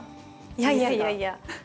いやいやいやいや。